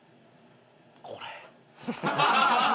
これ？